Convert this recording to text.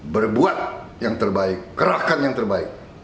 berbuat yang terbaik kerahkan yang terbaik